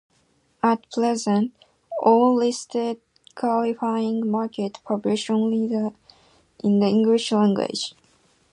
At present, all listed qualifying markets publish only in the English language.